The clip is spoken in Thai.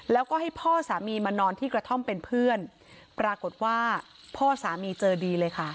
แล้วก็ให้พ่อสามีมานอนที่กระท่อมเป็นเพื่อนปรากฏว่าพ่อสามีเจอดีเลยค่ะ